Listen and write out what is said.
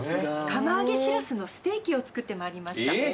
釜揚げしらすのステーキを作ってまいりました。